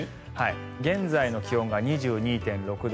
現在の気温が２２．６度。